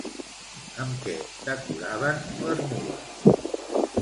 Amb què decoraven les mules?